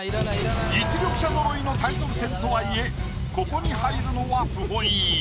実力者ぞろいのタイトル戦とはいえここに入るのは不本意。